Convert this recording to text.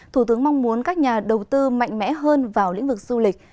thủ tướng mong muốn các nhà đầu tư mạnh mẽ hơn vào lĩnh vực du lịch